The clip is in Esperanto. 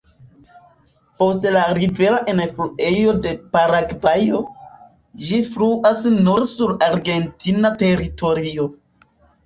Post la rivera enfluejo de Paragvajo, ĝi fluas nur sur argentina teritorio.